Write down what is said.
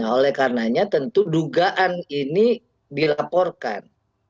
oleh karenanya tentu dugaan ini dilaporkan